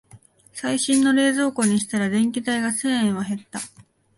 最新の冷蔵庫にしたら電気代が千円は減った